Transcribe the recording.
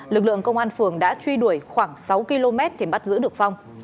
lực lượng công an phường đã truy đuổi khoảng sáu km thì bắt giữ được phong